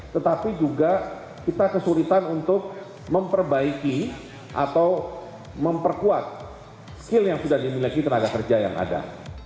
tetapi juga kita kesulitan untuk memperbaiki atau memperkuat skill yang sudah dimiliki tenaga kerja yang ada